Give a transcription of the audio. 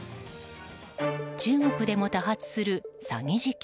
中国でも多発する詐欺事件。